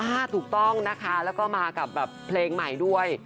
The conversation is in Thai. ถูกต้องนะคะแล้วก็มากับแบบเพลงใหม่ด้วย